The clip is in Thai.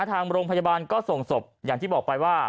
ทางโรงพยาบาลก็ส่งศพอย่างที่บอกไปว่า